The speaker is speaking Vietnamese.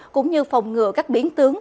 cũng như phòng ngừa các biến tướng